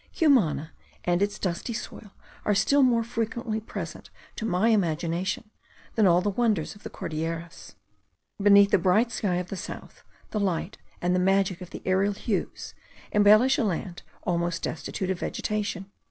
Cumana and its dusty soil are still more frequently present to my imagination, than all the wonders of the Cordilleras. Beneath the bright sky of the south, the light, and the magic of the aerial hues, embellish a land almost destitute of vegetation.